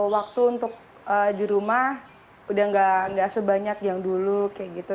waktu untuk di rumah udah gak sebanyak yang dulu kayak gitu